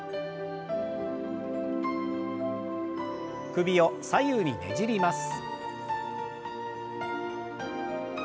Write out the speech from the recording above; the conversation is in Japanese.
首を左右にねじります。